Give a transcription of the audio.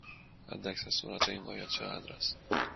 حداکثر سرعت این قایق چقدر است؟